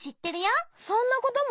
そんなことも？